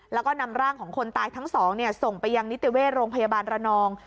แล้วก็นำร่างของคนตายทั้งสองส่งไปยังนิติเวชโรงพยาบาลระนอง